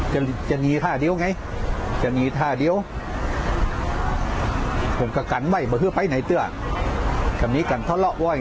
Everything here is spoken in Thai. จะจะมีท่าเดียวไงจะมีท่าเดียวผมก็กันไว้มาคือไปในเตือกันนี้กันทะเลาะว่า